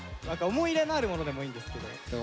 思い入れのあるものでもいいんですけど。